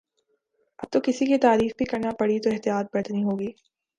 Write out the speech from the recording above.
اب تو کسی کی تعریف بھی کرنا پڑی تو احتیاط برتنی ہو گی